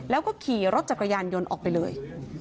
แล้วก็ขี่รถจักรยานยนต์ออกไปเลย